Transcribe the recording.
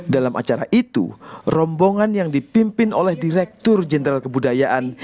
dalam acara itu rombongan yang dipimpin oleh direktur jenderal kebudayaan